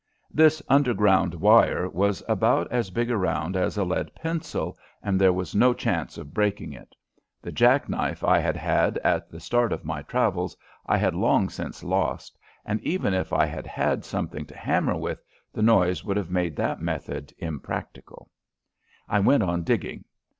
This underground wire was about as big around as a lead pencil and there was no chance of breaking it. The jack knife I had had at the start of my travels I had long since lost, and even if I had had something to hammer with, the noise would have made that method impracticable. I went on digging.